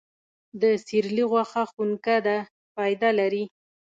د سیرلي غوښه خونکه ده، فایده لري.